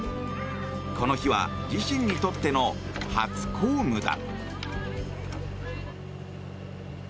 この日は自身にとっての初公務だ。